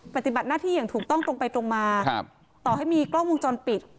ปฏิบัติหน้าที่อย่างถูกต้องตรงไปตรงมาต่อให้มีกล้องวงจรปิด